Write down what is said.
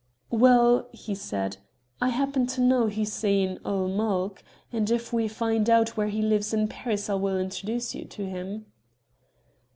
"Well," he said, "I happen to know Hussein ul Mulk, and if we find out where he lives in Paris I will introduce you to him."